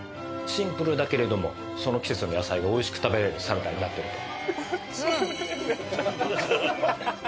シンプルだけれどもその季節の野菜がおいしく食べれるサラダになってると。